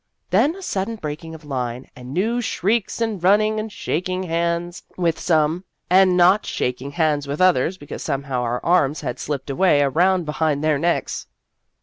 Then a sudden breaking of line, and new shrieks and running, and shaking hands with some, and not shaking hands with others because somehow our arms had slipped away around behind their necks.